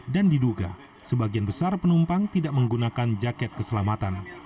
dan diduga sebagian besar penumpang tidak menggunakan jaket keselamatan